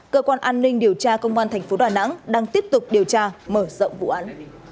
cơ quan an ninh điều tra công an thành phố đà nẵng đang tiếp tục điều tra mở rộng vụ án